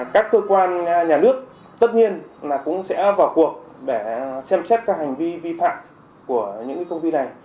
các cơ quan nhà nước tất nhiên là cũng sẽ vào cuộc để xem xét các hành vi vi phạm của những công ty này